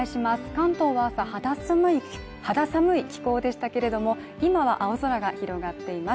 関東は朝肌寒い気候でしたけれども今は青空が広がっています